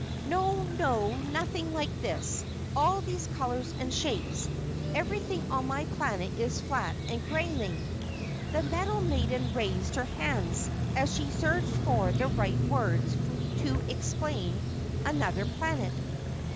"No, no, nothing like this all these colors and shapes. Everything on my planet is flat and greyling." The metal maiden raised her hands, as she searched for the right words to explain Anuther Planet.